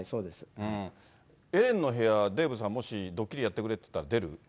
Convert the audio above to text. エレンの部屋、デーブさん、もしドッキリやってくれって言われたら、出る？